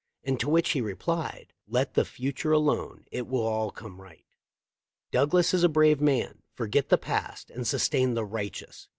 and to which he replied, Let the future alone; it will all come right. Douglas is a brave man. Forget the past and sustain the right eous.'